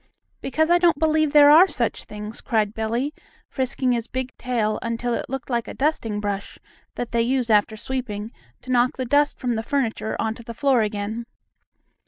"Because I don't believe there are such things!" cried Billie, frisking his big tail until it looked like a dusting brush that they use after sweeping to knock the dust from the furniture onto the floor again.